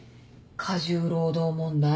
過重労働問題？